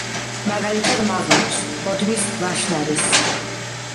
მაგალითად: „მაღაროს“, „ბოდბის“, „ვაშნარის“.